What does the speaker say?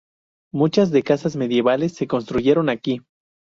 Muchas de casas medievales se construyeron aquí.